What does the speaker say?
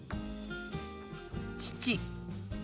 「父」。